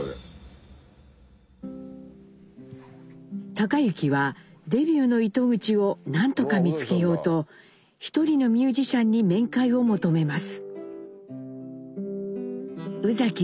隆之はデビューの糸口を何とか見つけようと一人のミュージシャンに面会を求めます。